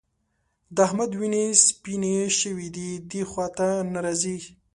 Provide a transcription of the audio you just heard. د احمد وینې سپيېنې شوې دي؛ دې خوا ته نه راځي.